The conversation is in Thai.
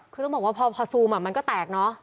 คือต้องบอกว่าพอซูมมันก็แตกเนอะ